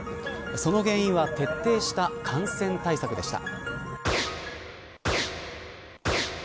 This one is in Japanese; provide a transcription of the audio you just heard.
その原因は徹底した感染対策でした。